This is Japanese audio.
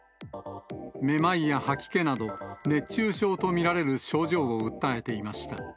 めまいや吐き気など、熱中症と見られる症状を訴えていました。